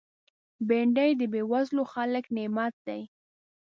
بېنډۍ د بېوزلو خلکو نعمت دی